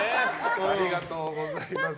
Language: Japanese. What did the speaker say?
ありがとうございます。